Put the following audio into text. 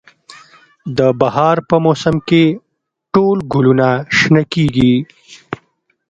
د بهار په موسم کې ټول ګلونه شنه کیږي